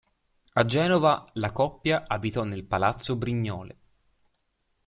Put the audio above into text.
A Genova la coppia abitò nel Palazzo Brignole.